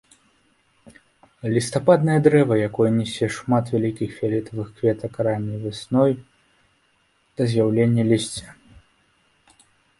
Лістападнае дрэва, якое нясе шмат вялікіх фіялетавых кветак ранняй вясной да з'яўлення лісця.